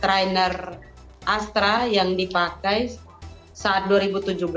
trainer astra yang dipakai saat dua ribu tujuh belas